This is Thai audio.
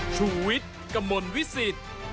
ชุวิตกมลวิสิต